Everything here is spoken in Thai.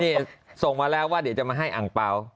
นี่ส่งมาแล้วว่าเดี๋ยวจะมาให้อังเปล่า